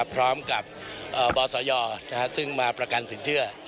พร้อมกับบศยซึ่งมาประกันสินเชื่อ